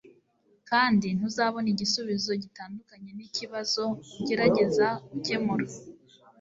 kandi ntuzabona igisubizo gitandukanye n'ikibazo ugerageza gukemura. ”